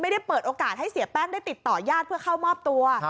ได้เปิดโอกาสให้เสียแป้งได้ติดต่อญาติเพื่อเข้ามอบตัว